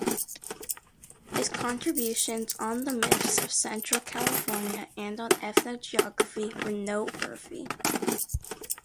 His contributions on the myths of central California and on ethnogeography were noteworthy.